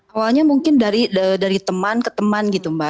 awalnya mungkin dari teman ke teman gitu mbak